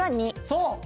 そう。